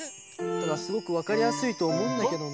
すごくわかりやすいとおもうんだけどな。